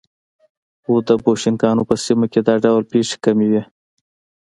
خو د بوشنګانو په سیمه کې دا ډول پېښې کمې وې.